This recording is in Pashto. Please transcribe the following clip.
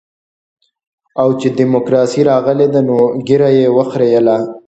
اوس چې ډيموکراسي راغلې ده نو ږيره يې وخرېیله.